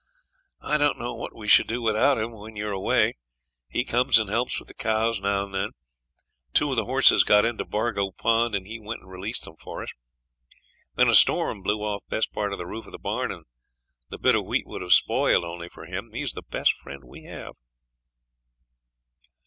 'I don't know what we should do without him when you're away. He comes and helps with the cows now and then. Two of the horses got into Bargo pound, and he went and released them for us. Then a storm blew off best part of the roof of the barn, and the bit of wheat would have been spoiled only for him. He's the best friend we have.'